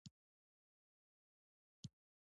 د راتلونکي فزیک به لا ښکلی دی.